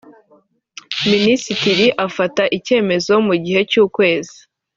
minisitiri afata icyemezo mu gihe cy’ukwezi